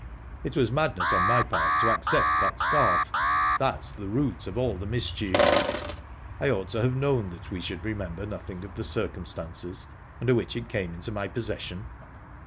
"It was madness on my part to accept that scarf. That's the root of all the mischief. I ought to have known that we should remember nothing of the circumstances under which it came into my possession."